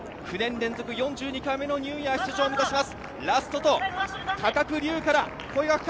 ４位がヤクルト、９年連続４２回目のニューイヤー出場を目指します。